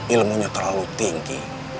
ilmunya terlalu tinggi